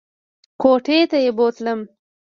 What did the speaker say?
کوټې ته یې بوتلم !